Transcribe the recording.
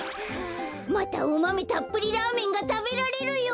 またおマメたっぷりラーメンがたべられるよ。